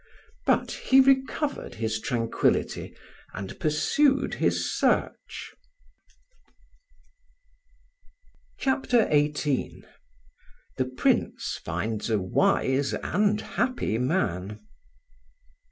But he recovered his tranquillity and pursued his search. CHAPTER XVIII THE PRINCE FINDS A WISE AND HAPPY MAN.